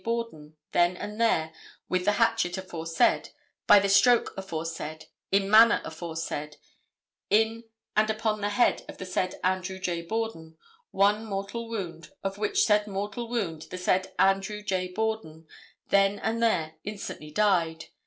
Borden, then and there, with the hatchet aforesaid, by the stroke aforesaid, in manner aforesaid, in and upon the head of the said Andrew J. Borden, one mortal wound, of which said mortal wound the said Andrew J. Borden then and there instantly died.